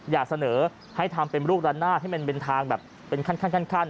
อย่าเสนอให้ทำเป็นลูกละนาดให้มันเป็นทางแบบเป็นขั้น